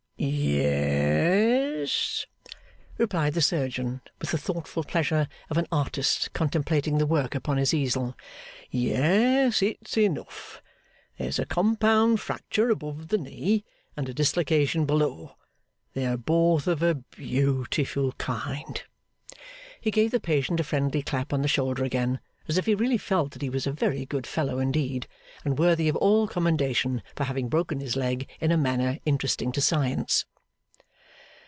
'Ye es,' replied the surgeon, with the thoughtful pleasure of an artist contemplating the work upon his easel. 'Yes, it's enough. There's a compound fracture above the knee, and a dislocation below. They are both of a beautiful kind.' He gave the patient a friendly clap on the shoulder again, as if he really felt that he was a very good fellow indeed, and worthy of all commendation for having broken his leg in a manner interesting to science.